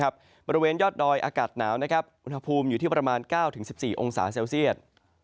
บริเวณยอดดอยอากาศหนาวอุณหภูมิอยู่ที่ประมาณ๙๑๔องศาเซลเซียต